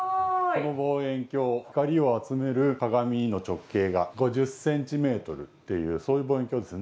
この望遠鏡光を集める鏡の直径が５０ｃｍっていうそういう望遠鏡ですね。